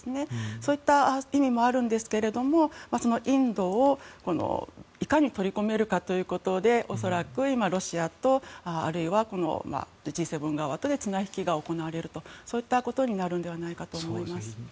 そういった意味もあるんですけどもそのインドをいかに取り込めるかということで恐らく、ロシアやあるいはＧ７側とで綱引きが行われるとそういったことになるんではないかと思います。